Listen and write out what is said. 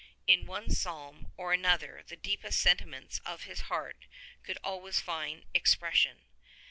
In one psalm or another the deepest sentiments of his heart could always find expression.